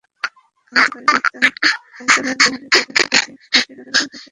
তাই তাঁর দেওরের যাতায়াতের পথে ঘাটে নানারকম ফাঁদ পেতে রাখতেন।